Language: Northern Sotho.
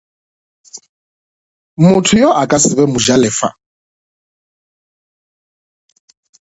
Motho yo e ka se be mojalefa.